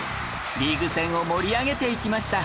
リーグ戦を盛り上げていきました